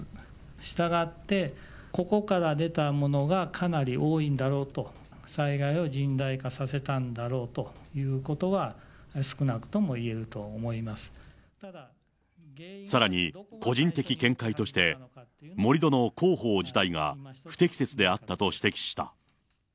したがって、ここから出たものがかなり多いんだろうと、災害を甚大化させたんだろうということが、さらに、個人的見解として、盛り土の工法自体が、不適切であったと指摘した。